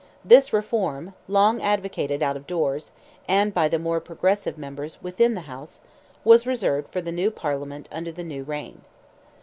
This reform, long advocated out of doors, and by the more progressive members within the House, was reserved for the new Parliament under the new reign.